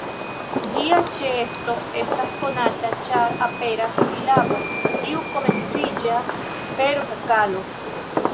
Ĝia ĉeesto estas konata ĉar aperas silabo kiu komenciĝas per vokalo.